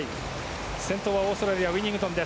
先頭はオーストラリアウィニングトン。